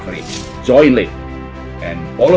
ekonomi dan pengembangan ekonomi